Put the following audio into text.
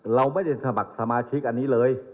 เราไม่ได้สมัครสมาชิกอันนี้เลย